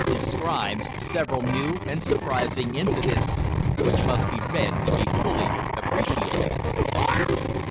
DESCRIBES SEVERAL NEW AND SURPRISING INCIDENTS, WHICH MUST BE READ TO BE FULLY APPRECIATED.